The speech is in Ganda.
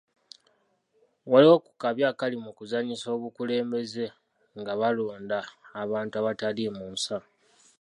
Waliwo ku kabi akali mu kuzannyisa obukulembeze nga balonda abantu abataliimu nsa.